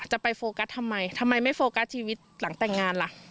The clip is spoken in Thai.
ไปโฟกัสทำไมทำไมไม่โฟกัสชีวิตหลังแต่งงานล่ะ